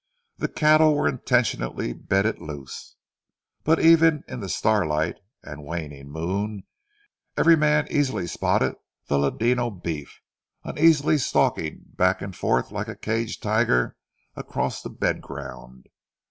The cattle were intentionally bedded loose; but even in the starlight and waning moon, every man easily spotted the ladino beef, uneasily stalking back and forth like a caged tiger across the bed ground.